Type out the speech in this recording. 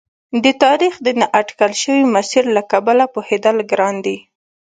د تاریخ د نا اټکل شوي مسیر له کبله پوهېدل ګران دي.